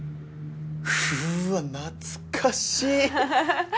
うわ懐かしい！